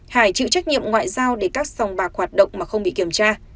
hải chịu trách nhiệm ngoại giao để các sòng bạc hoạt động mà không bị kiểm tra